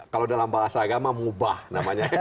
kalau dalam bahasa agama mengubah namanya